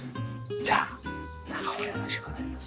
じゃあ中をよろしくお願いします。